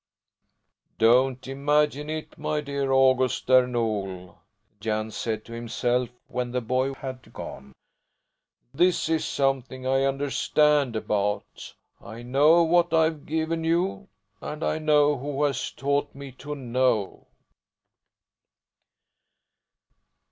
"Don't imagine it, my dear August Där Nol!" Jan said to himself when the boy had gone. "This is something I understand about. I know what I've given you, and I know who has taught me to know."